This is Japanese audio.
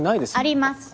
あります！